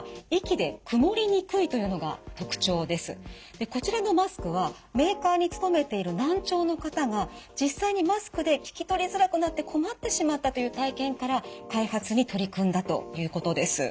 でこちらのマスクはメーカーに勤めている難聴の方が実際にマスクで聞き取りづらくなって困ってしまったという体験から開発に取り組んだということです。